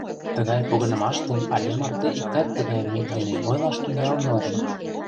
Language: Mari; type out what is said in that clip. Тыгай погынымаште але марте иктат тыгай мут дене ойлаш тӱҥалын огыл.